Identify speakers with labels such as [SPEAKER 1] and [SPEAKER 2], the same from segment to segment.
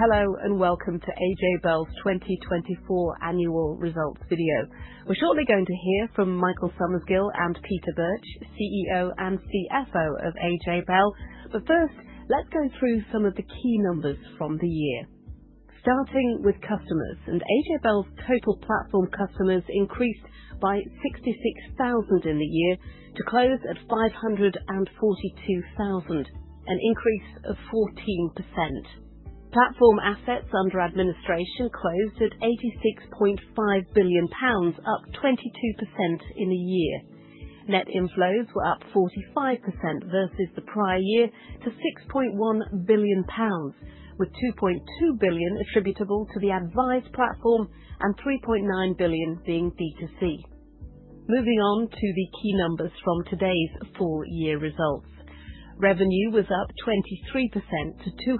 [SPEAKER 1] Hello and welcome to AJ Bell's 2024 Annual results video. We're shortly going to hear from Michael Summersgill and Peter Birch, CEO and CFO of AJ Bell. But first, let's go through some of the key numbers from the year, starting with customers, and AJ Bell's total platform customers increased by 66,000 in the year to close at 542,000, an increase of 14%. Platform assets under administration closed at 86.5 billion pounds, up 22% in a year. Net inflows were up 45% versus the prior year to 6.1 billion pounds, with 2.2 billion attributable to the advised platform and 3.9 billion being D2C. Moving on to the key numbers from today's full year results. Revenue was up 23% to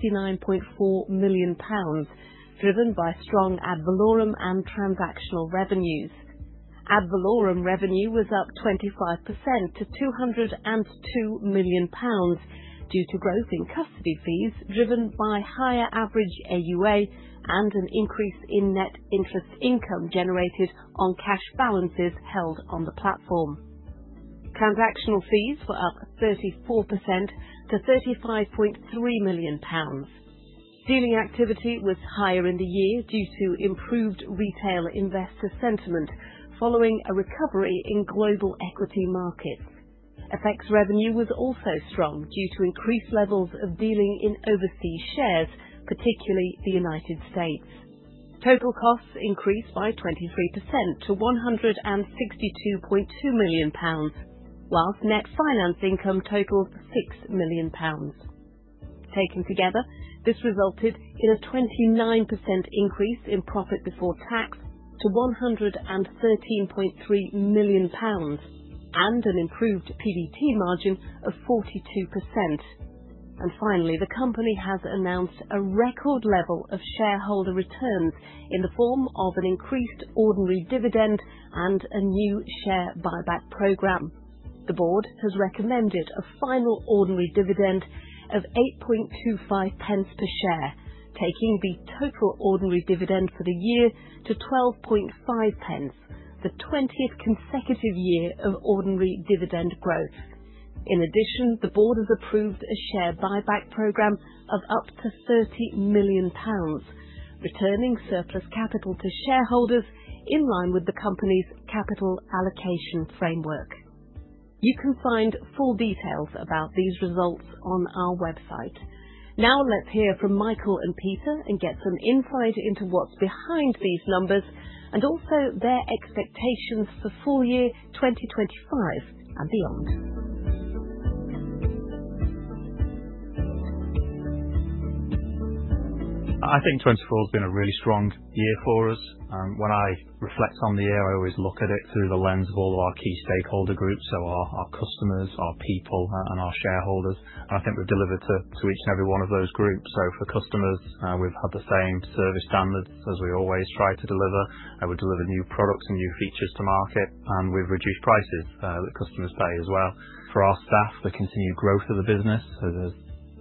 [SPEAKER 1] 269.4 million pounds, driven by strong ad valorem and transactional revenues. Ad valorem revenue was up 25% to 202 million pounds due to growth in custody fees driven by higher average AUA and an increase in net interest income generated on cash balances held on the platform. Transactional fees were up 34% to 35.3 million pounds. Dealing activity was higher in the year due to improved retail investor sentiment following a recovery in global equity markets. FX revenue was also strong due to increased levels of dealing in overseas shares, particularly the United States. Total costs increased by 23% to 162.2 million pounds, while net finance income totaled 6 million pounds. Taken together, this resulted in a 29% increase in profit before tax to 113.3 million pounds and an improved PBT margin of 42%. And finally, the company has announced a record level of shareholder returns in the form of an increased ordinary dividend and a new share buyback program. The board has recommended a final ordinary dividend of 0.0825 per share, taking the total ordinary dividend for the year to 0.125, the 20th consecutive year of ordinary dividend growth. In addition, the board has approved a share buyback program of up to 30 million pounds, returning surplus capital to shareholders in line with the company's capital allocation framework. You can find full details about these results on our website. Now let's hear from Michael and Peter and get some insight into what's behind these numbers and also their expectations for full year 2025 and beyond.
[SPEAKER 2] I think 2024 has been a really strong year for us. When I reflect on the year, I always look at it through the lens of all of our key stakeholder groups, so our customers, our people, and our shareholders. And I think we've delivered to each and every one of those groups. So for customers, we've had the same service standards as we always try to deliver. We've delivered new products and new features to market, and we've reduced prices that customers pay as well. For our staff, the continued growth of the business has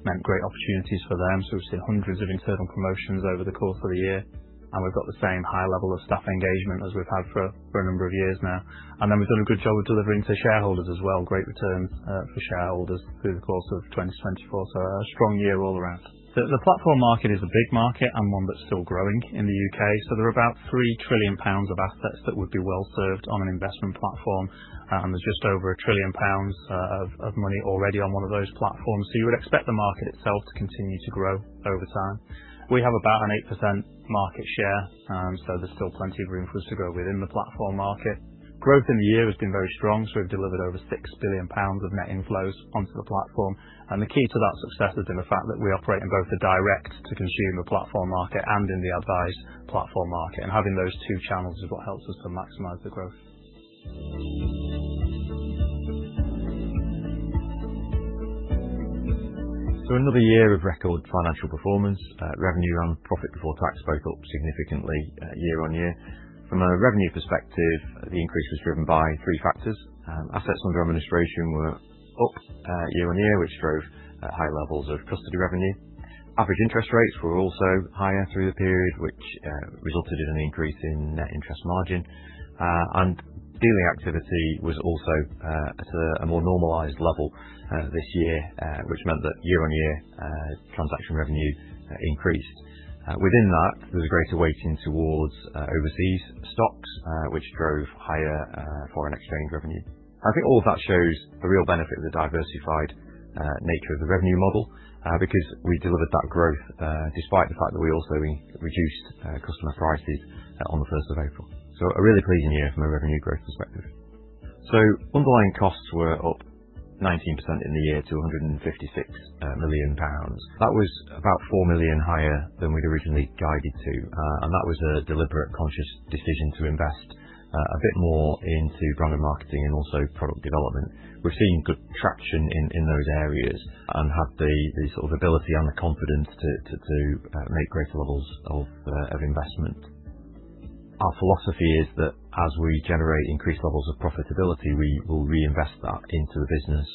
[SPEAKER 2] meant great opportunities for them. So we've seen hundreds of internal promotions over the course of the year, and we've got the same high level of staff engagement as we've had for a number of years now. And then we've done a good job of delivering to shareholders as well. Great returns for shareholders through the course of 2024. So a strong year all around. The platform market is a big market and one that's still growing in the U.K. So there are about 3 trillion pounds of assets that would be well served on an investment platform, and there's just over 1 trillion pounds of money already on one of those platforms. So you would expect the market itself to continue to grow over time. We have about an 8% market share, so there's still plenty of room for us to grow within the platform market. Growth in the year has been very strong, so we've delivered over 6 billion pounds of net inflows onto the platform. And the key to that success has been the fact that we operate in both the direct-to-consumer platform market and in the advised platform market. Having those two channels is what helps us to maximize the growth.
[SPEAKER 3] So another year of record financial performance. Revenue and profit before tax both up significantly year-on-year. From a revenue perspective, the increase was driven by three factors. Assets under administration were up year-on-year, which drove high levels of custody revenue. Average interest rates were also higher through the period, which resulted in an increase in net interest margin. And dealing activity was also at a more normalized level this year, which meant that year on year transaction revenue increased. Within that, there's a greater weighting towards overseas stocks, which drove higher foreign exchange revenue. I think all of that shows the real benefit of the diversified nature of the revenue model because we delivered that growth despite the fact that we also reduced customer prices on the 1st of April. So a really pleasing year from a revenue growth perspective. Underlying costs were up 19% in the year to 156 million pounds. That was about 4 million higher than we'd originally guided to. And that was a deliberate, conscious decision to invest a bit more into branded marketing and also product development. We've seen good traction in those areas and have the sort of ability and the confidence to make greater levels of investment. Our philosophy is that as we generate increased levels of profitability, we will reinvest that into the business,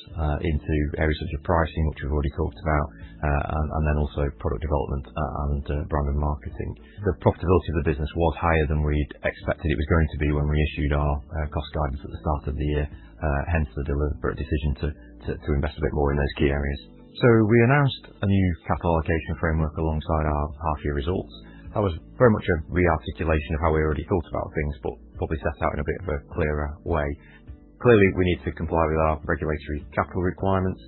[SPEAKER 3] into areas such as pricing, which we've already talked about, and then also product development and branded marketing. The profitability of the business was higher than we'd expected it was going to be when we issued our cost guidance at the start of the year. Hence, the deliberate decision to invest a bit more in those key areas. We announced a new capital allocation framework alongside our half-year results. That was very much a re-articulation of how we already thought about things, but probably set out in a bit of a clearer way. Clearly, we need to comply with our regulatory capital requirements.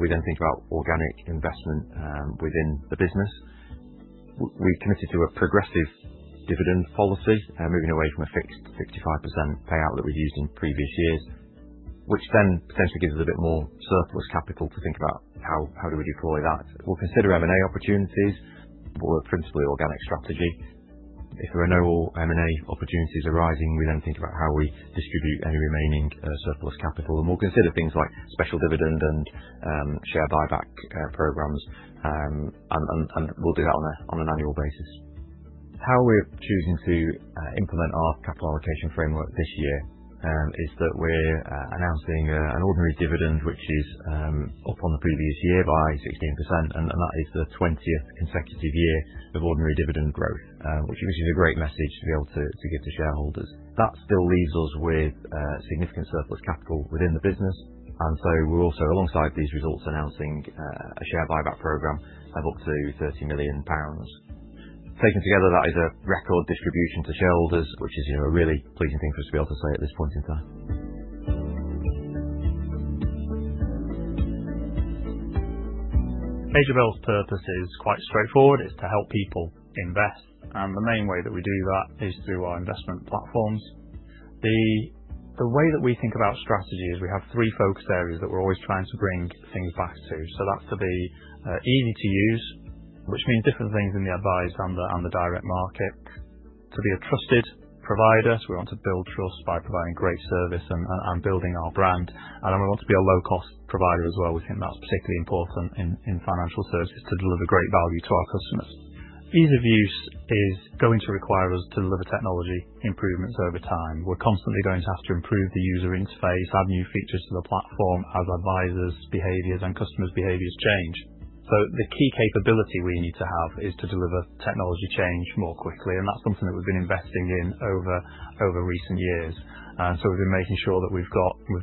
[SPEAKER 3] We then think about organic investment within the business. We committed to a progressive dividend policy, moving away from a fixed 65% payout that we'd used in previous years, which then potentially gives us a bit more surplus capital to think about how do we deploy that. We'll consider M&A opportunities, but we're a principally organic strategy. If there are no M&A opportunities arising, we then think about how we distribute any remaining surplus capital. We'll consider things like special dividend and share buyback programs, and we'll do that on an annual basis. How we're choosing to implement our capital allocation framework this year is that we're announcing an ordinary dividend, which is up on the previous year by 16%. And that is the 20th consecutive year of ordinary dividend growth, which is a great message to be able to give to shareholders. That still leaves us with significant surplus capital within the business. And so we're also, alongside these results, announcing a share buyback program of up to 30 million pounds. Taken together, that is a record distribution to shareholders, which is a really pleasing thing for us to be able to say at this point in time.
[SPEAKER 2] AJ Bell's purpose is quite straightforward. It's to help people invest. And the main way that we do that is through our investment platforms. The way that we think about strategy is we have three focus areas that we're always trying to bring things back to. So that's to be easy to use, which means different things in the advised and the direct market. To be a trusted provider. So we want to build trust by providing great service and building our brand. And we want to be a low-cost provider as well. We think that's particularly important in financial services to deliver great value to our customers. Ease of use is going to require us to deliver technology improvements over time. We're constantly going to have to improve the user interface, add new features to the platform as advisers' behaviors and customers' behaviors change. So the key capability we need to have is to deliver technology change more quickly. And that's something that we've been investing in over recent years. And so we've been making sure that we've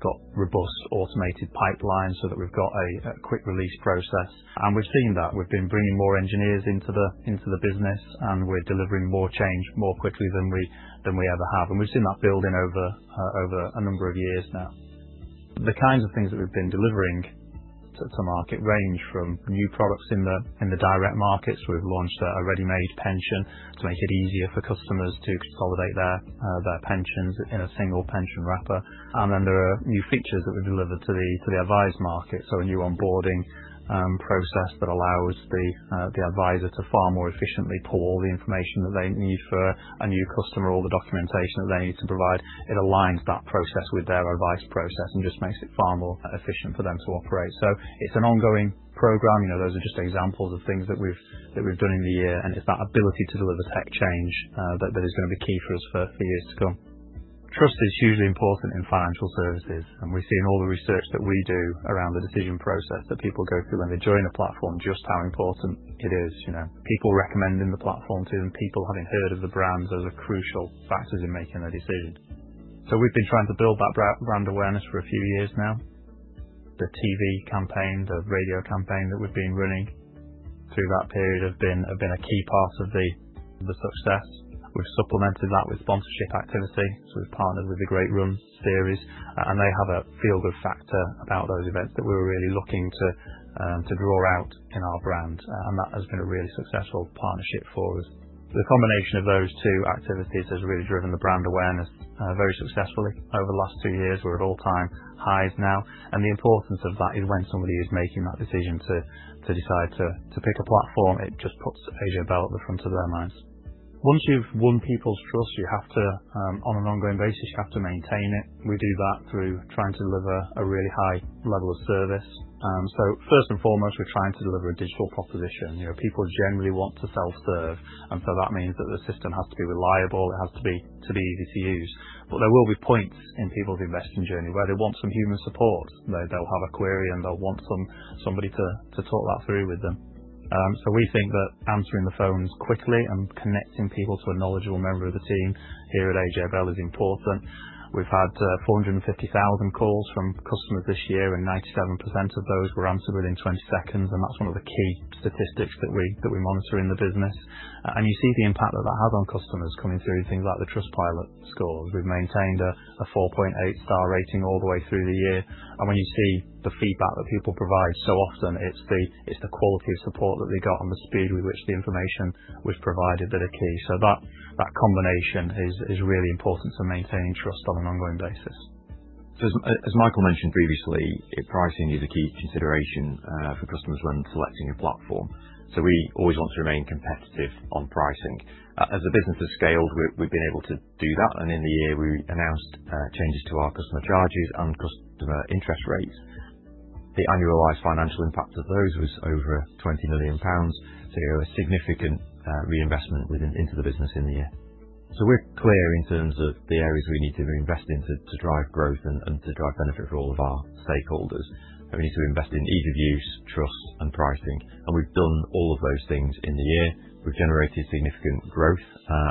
[SPEAKER 2] got robust automated pipelines so that we've got a quick release process. And we've seen that. We've been bringing more engineers into the business, and we're delivering more change more quickly than we ever have. And we've seen that building over a number of years now. The kinds of things that we've been delivering to market range from new products in the direct markets. We've launched a ready-made pension to make it easier for customers to consolidate their pensions in a single pension wrapper. And then there are new features that we've delivered to the advised market. A new onboarding process that allows the adviser to far more efficiently pull all the information that they need for a new customer, all the documentation that they need to provide. It aligns that process with their advice process and just makes it far more efficient for them to operate. So it's an ongoing program. Those are just examples of things that we've done in the year. And it's that ability to deliver tech change that is going to be key for us for years to come. Trust is hugely important in financial services. And we've seen all the research that we do around the decision process that people go through when they join a platform, just how important it is. People recommending the platform to them, people having heard of the brands as crucial factors in making their decisions. So we've been trying to build that brand awareness for a few years now. The TV campaign, the radio campaign that we've been running through that period have been a key part of the success. We've supplemented that with sponsorship activity. So we've partnered with the Great Run Series. And they have a feel-good factor about those events that we were really looking to draw out in our brand. And that has been a really successful partnership for us. The combination of those two activities has really driven the brand awareness very successfully over the last two years. We're at all-time highs now. And the importance of that is when somebody is making that decision to decide to pick a platform, it just puts AJ Bell at the front of their minds. Once you've won people's trust, on an ongoing basis, you have to maintain it. We do that through trying to deliver a really high level of service. So first and foremost, we're trying to deliver a digital proposition. People generally want to self-serve. And so that means that the system has to be reliable. It has to be easy to use. But there will be points in people's investing journey where they want some human support. They'll have a query, and they'll want somebody to talk that through with them. So we think that answering the phones quickly and connecting people to a knowledgeable member of the team here at AJ Bell is important. We've had 450,000 calls from customers this year, and 97% of those were answered within 20 seconds. And that's one of the key statistics that we monitor in the business. And you see the impact that that has on customers coming through in things like the Trustpilot scores. We've maintained a 4.8-star rating all the way through the year. And when you see the feedback that people provide so often, it's the quality of support that they got and the speed with which the information was provided that are key. So that combination is really important to maintaining trust on an ongoing basis.
[SPEAKER 3] As Michael mentioned previously, pricing is a key consideration for customers when selecting a platform. We always want to remain competitive on pricing. As the business has scaled, we've been able to do that. In the year, we announced changes to our customer charges and customer interest rates. The annualized financial impact of those was over 20 million pounds. It was a significant reinvestment into the business in the year. We're clear in terms of the areas we need to invest in to drive growth and to drive benefit for all of our stakeholders. We need to invest in ease of use, trust, and pricing. We've done all of those things in the year. We've generated significant growth.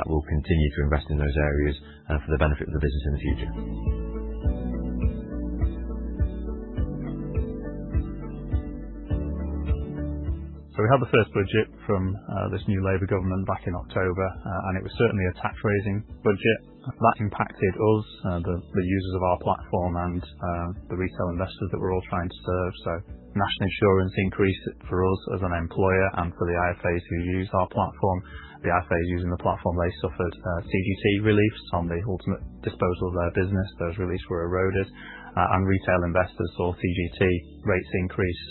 [SPEAKER 3] We'll continue to invest in those areas for the benefit of the business in the future.
[SPEAKER 2] So we had the first budget from this new Labour government back in October, and it was certainly a tax-raising budget. That impacted us, the users of our platform, and the retail investors that we're all trying to serve. So National Insurance increased it for us as an employer and for the IFAs who use our platform. The IFAs using the platform, they suffered CGT reliefs on the ultimate disposal of their business. Those reliefs were eroded. And retail investors saw CGT rates increase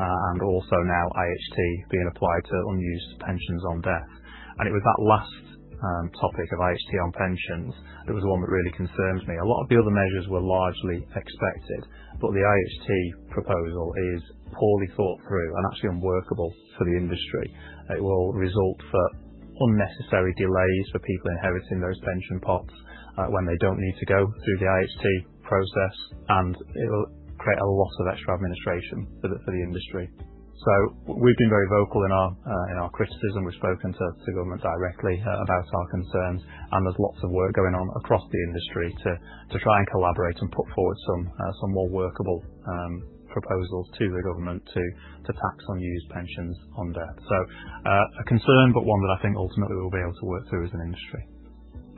[SPEAKER 2] and also now IHT being applied to unused pensions on death. And it was that last topic of IHT on pensions. It was the one that really concerned me. A lot of the other measures were largely expected, but the IHT proposal is poorly thought through and actually unworkable for the industry. It will result in unnecessary delays for people inheriting those pension pots when they don't need to go through the IHT process, and it will create a lot of extra administration for the industry. So we've been very vocal in our criticism. We've spoken to government directly about our concerns, and there's lots of work going on across the industry to try and collaborate and put forward some more workable proposals to the government to tax unused pensions on death. So a concern, but one that I think ultimately we'll be able to work through as an industry.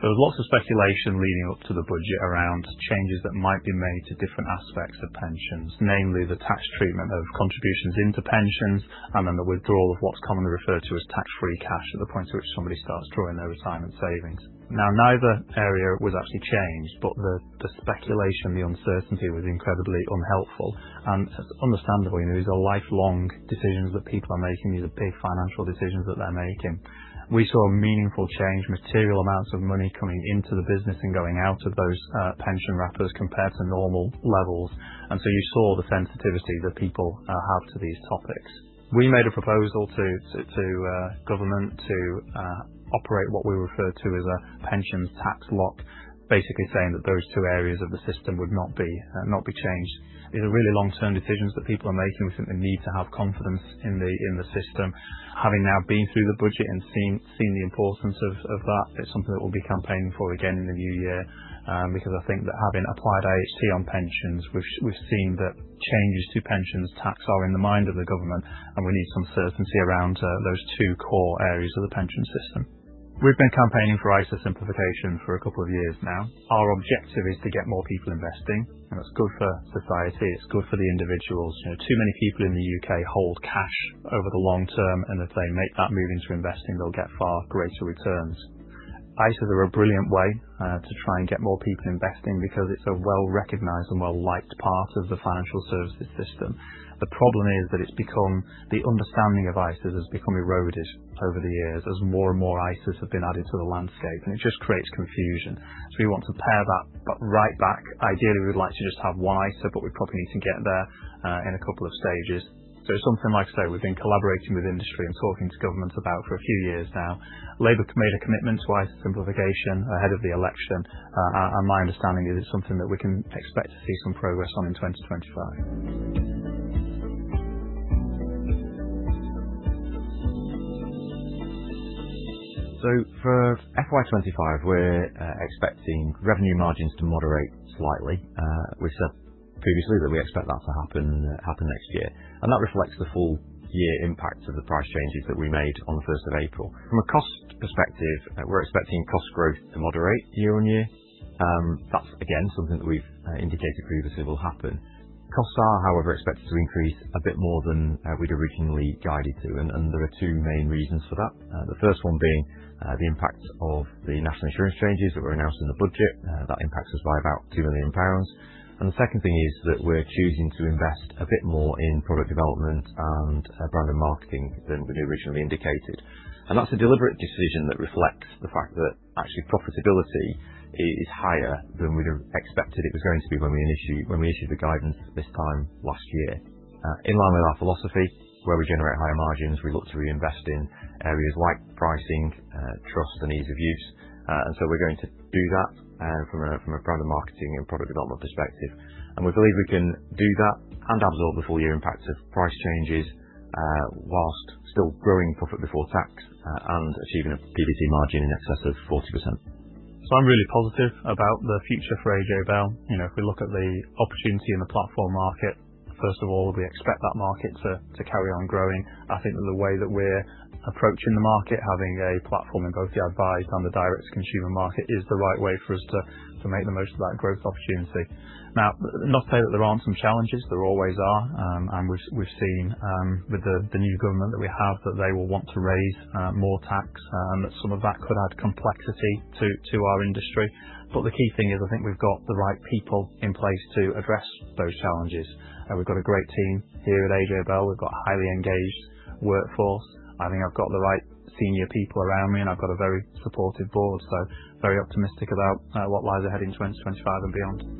[SPEAKER 2] There was lots of speculation leading up to the budget around changes that might be made to different aspects of pensions, namely the tax treatment of contributions into pensions and then the withdrawal of what's commonly referred to as tax-free cash at the point at which somebody starts drawing their retirement savings. Now, neither area was actually changed, but the speculation, the uncertainty was incredibly unhelpful. And understandably, these are lifelong decisions that people are making. These are big financial decisions that they're making. We saw a meaningful change, material amounts of money coming into the business and going out of those pension wrappers compared to normal levels. And so you saw the sensitivity that people have to these topics. We made a proposal to government to operate what we refer to as a Pensions Tax Lock, basically saying that those two areas of the system would not be changed. These are really long-term decisions that people are making. We think they need to have confidence in the system. Having now been through the budget and seen the importance of that, it's something that we'll be campaigning for again in the new year because I think that having applied IHT on pensions, we've seen that changes to pensions tax are in the mind of the government, and we need some certainty around those two core areas of the pension system. We've been campaigning for ISA simplification for a couple of years now. Our objective is to get more people investing, and that's good for society. It's good for the individuals. Too many people in the U.K. hold cash over the long term, and if they make that move into investing, they'll get far greater returns. ISAs are a brilliant way to try and get more people investing because it's a well-recognized and well-liked part of the financial services system. The problem is that the understanding of ISAs has become eroded over the years as more and more ISAs have been added to the landscape, and it just creates confusion. So we want to pare that right back. Ideally, we would like to just have one ISA, but we probably need to get there in a couple of stages. So it's something like I say, we've been collaborating with industry and talking to governments about for a few years now. Labour made a commitment to ISA simplification ahead of the election, and my understanding is it's something that we can expect to see some progress on in 2025.
[SPEAKER 3] So for FY 2025, we're expecting revenue margins to moderate slightly. We said previously that we expect that to happen next year. And that reflects the full year impact of the price changes that we made on the 1st of April. From a cost perspective, we're expecting cost growth to moderate year on year. That's, again, something that we've indicated previously will happen. Costs are, however, expected to increase a bit more than we'd originally guided to. And there are two main reasons for that. The first one being the impact of the National Insurance changes that were announced in the budget. That impacts us by about 2 million pounds. And the second thing is that we're choosing to invest a bit more in product development and brand and marketing than we originally indicated. And that's a deliberate decision that reflects the fact that actually profitability is higher than we'd expected it was going to be when we issued the guidance this time last year. In line with our philosophy, where we generate higher margins, we look to reinvest in areas like pricing, trust, and ease of use. And so we're going to do that from a brand and marketing and product development perspective. And we believe we can do that and absorb the full year impact of price changes whilst still growing profit before tax and achieving a PBT margin in excess of 40%.
[SPEAKER 2] So I'm really positive about the future for AJ Bell. If we look at the opportunity in the platform market, first of all, we expect that market to carry on growing. I think that the way that we're approaching the market, having a platform in both the advised and the direct-to-consumer market, is the right way for us to make the most of that growth opportunity. Now, not to say that there aren't some challenges. There always are. And we've seen with the new government that we have that they will want to raise more tax and that some of that could add complexity to our industry. But the key thing is I think we've got the right people in place to address those challenges. And we've got a great team here at AJ Bell. We've got a highly engaged workforce. I think I've got the right senior people around me, and I've got a very supportive board. So very optimistic about what lies ahead in 2025 and beyond.